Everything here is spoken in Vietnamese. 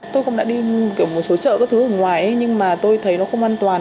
tôi cũng đã đi một số chợ các thứ ở ngoài nhưng mà tôi thấy nó không an toàn